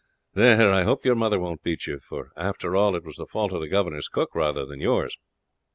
There, I hope your mother won't beat you, for, after all, it was the fault of the governor's cook rather than yours."